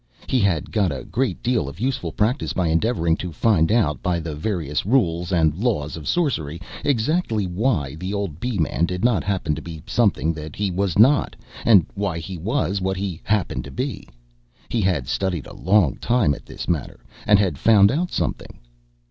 He had got a great deal of useful practice by endeavoring to find out, by the various rules and laws of sorcery, exactly why the old Bee man did not happen to be something that he was not, and why he was what he happened to be. He had studied a long time at this matter, and had found out something.